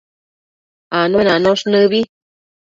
Anuenanosh nëbi